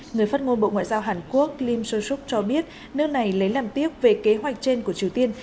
người phát ngôn bộ ngoại giao hàn quốc lim so suk cho biết nước này lấy làm tiếc về kế hoạch trên của triều tiên